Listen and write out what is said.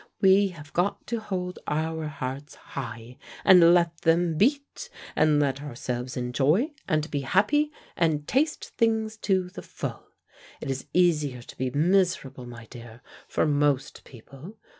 We have got to hold our hearts high, and let them beat, and let ourselves enjoy and be happy and taste things to the full. It is easier to be miserable, my dear, for most people.